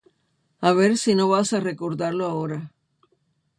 A ver si no vas a recordarlo ahora.